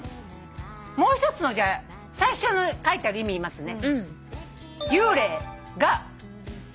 もう一つの最初の書いてある意味言いますね。